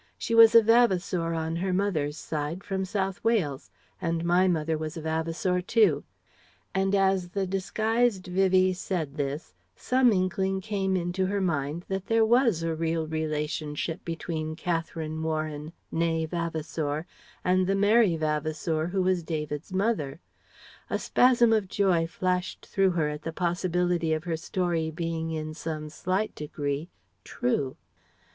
She was a Vavasour on her mother's side from South Wales and my mother was a Vavasour too " And as the disguised Vivie said this, some inkling came into her mind that there was a real relationship between Catharine Warren née Vavasour and the Mary Vavasour who was David's mother. A spasm of joy flashed through her at the possibility of her story being in some slight degree true.